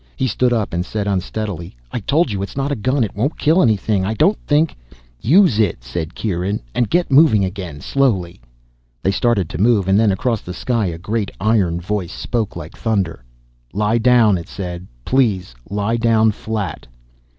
He stood up and said unsteadily, "I told you, it's not a gun. It won't kill anything. I don't think " "Use it," said Kieran. "And get moving again. Slowly." They started to move, and then across the sky a great iron voice spoke like thunder. "Lie down," it said, "please. Lie down flat."